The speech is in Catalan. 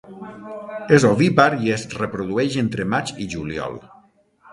És ovípar i es reprodueix entre maig i juliol.